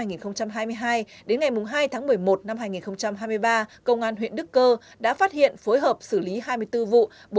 đến ngày một mươi hai tháng một mươi hai năm hai nghìn hai mươi hai đến ngày hai tháng một mươi một năm hai nghìn hai mươi ba công an huyện đức cơ đã phát hiện phối hợp xử lý hai mươi bốn vụ